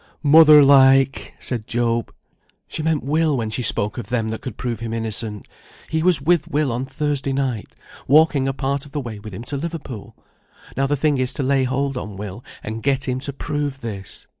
"Mother like!" said Job. "She meant Will, when she spoke of them that could prove him innocent. He was with Will on Thursday night, walking a part of the way with him to Liverpool; now the thing is to lay hold on Will and get him to prove this."